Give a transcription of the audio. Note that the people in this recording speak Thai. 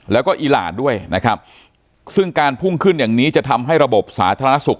แล้วก็อีหลานด้วยนะครับซึ่งการพุ่งขึ้นอย่างนี้จะทำให้ระบบสาธารณสุข